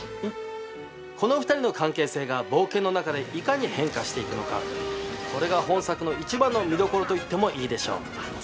この２人の関係性が冒険の中でいかに変化していくのかこれが本作の一番の見どころと言ってもいいでしょう。